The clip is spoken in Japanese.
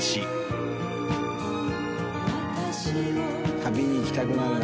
旅に行きたくなるな。